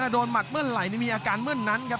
หมัดเมื่อไหร่มีอาการเมื่อนั้นครับ